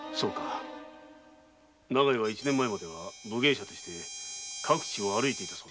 長井は１年前までは武芸者として各地を歩いていたそうだ。